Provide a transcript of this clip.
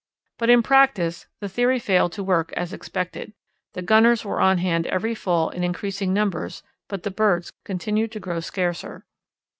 But in practice the theory failed to work as expected; the gunners were on hand every fall in increasing numbers but the birds continued to grow scarcer.